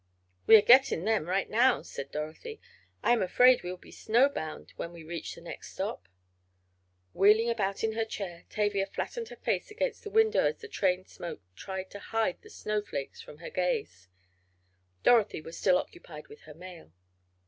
"We are getting them right now," said Dorothy. "I am afraid we will be snowbound when we reach the next stop." Wheeling about in her chair, Tavia flattened her face against the window as the train smoke tried to hide the snowflakes from her gaze. Dorothy was still occupied with her mail.